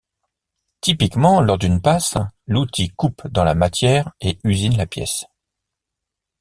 Typiquement, lors d'une passe, l'outil coupe dans la matière et usine la pièce.